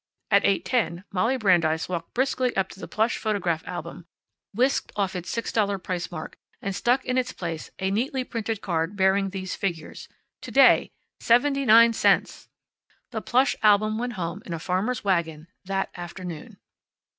At eight ten Molly Brandeis walked briskly up to the plush photograph album, whisked off its six dollar price mark, and stuck in its place a neatly printed card bearing these figures: "To day 79 cents!" The plush album went home in a farmer's wagon that afternoon.